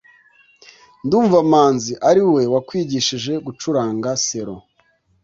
ndumva manzi ariwe wakwigishije gucuranga selo